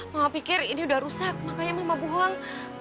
mama pikir ini udah rusak makanya mama buang